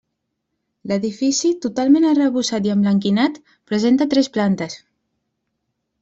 L'edifici, totalment arrebossat i emblanquinat, presenta tres plantes.